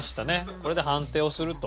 これで判定をすると。